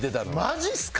マジっすか！